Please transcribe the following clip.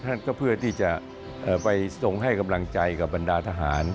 ท่านก็เพื่อที่จะไปทรงให้กำลังใจกับบรรดาทหาร